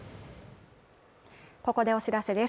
ここでお知らせです